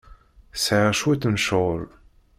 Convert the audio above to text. Sɛiɣ cwiṭ n ccɣel.